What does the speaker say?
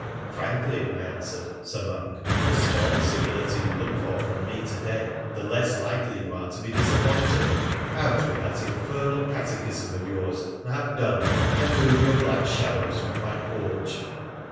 ' Frankly,' I answered, ' Sir Monk, the smaller civility you look for from me to day the less likely you are to be disap pointed. Out with that infernal catechism of yours, and have done, and move your black shadows from my porch.'